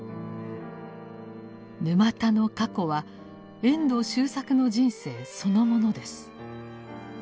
沼田の過去は遠藤周作の人生そのものです。